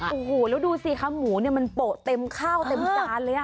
โอ้โหแล้วดูสิคะหมูเนี่ยมันโปะเต็มข้าวเต็มจานเลย